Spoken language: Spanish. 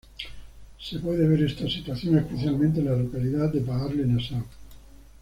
Se puede ver esta situación especialmente en la localidad de Baarle-Nassau.